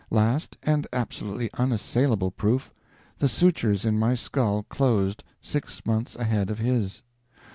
Last, and absolutely unassailable proof, the sutures in my skull closed six months ahead of his.